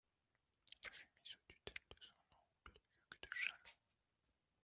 Il fut mis sous tutelle de son oncle, Hugues de Chalon.